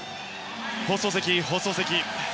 放送席、放送席。